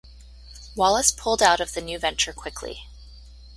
Wallace pulled out of the new venture quickly.